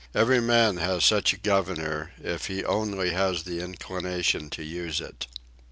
Every man has such a governor if he only has the inclination to use it.